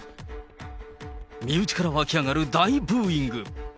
身内から沸き上がる大ブーイング。